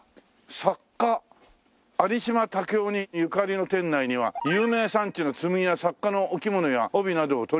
「作家有島武郎にゆかりの店内には有名産地の紬や作家のお着物や帯等を取り揃え」。